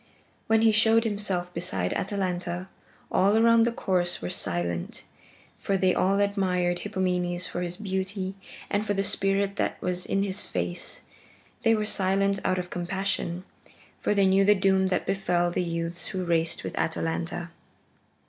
When he showed himself beside Atalanta, all around the course were silent, for they all admired Hippomenes for his beauty and for the spirit that was in his face; they were silent out of compassion, for they knew the doom that befell the youths who raced with Atalanta.